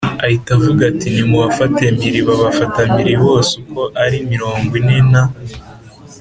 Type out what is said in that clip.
Ahita avuga ati nimubafate mpiri f Babafata mpiri bose uko ari mirongo ine na